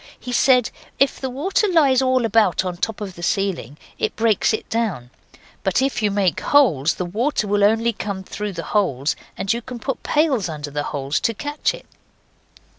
He said if the water lies all about on the top of the ceiling, it breaks it down, but if you make holes the water will only come through the holes and you can put pails under the holes to catch it.